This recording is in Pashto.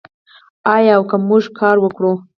آیا او که موږ کار وکړو؟